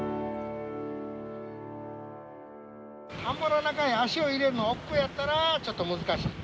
田んぼの中へ足を入れるのおっくうやったらちょっと難しい。